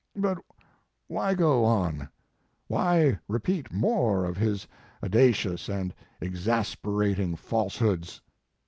But why go on? Why repeat more of his audacious and exasper ating falsehoods?